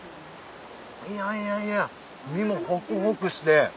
いやいやいや身もホクホクして。